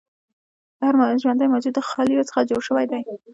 هر ژوندی موجود د خلیو څخه جوړ شوی دی